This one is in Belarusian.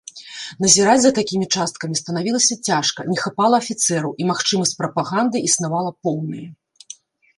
Назіраць за такімі часткамі станавілася цяжка, не хапала афіцэраў, і магчымасць прапаганды існавала поўная.